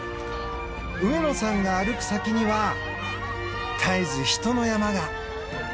上野さんが歩く先には絶えず人の山が。